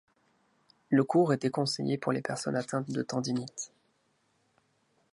Le cours est déconseillé pour les personnes atteintes de tendinite.